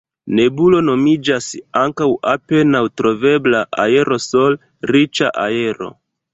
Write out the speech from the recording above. Nebulo nomiĝas ankaŭ apenaŭ travidebla aerosol-riĉa aero.